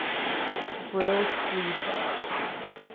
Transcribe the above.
Brill sleeve though.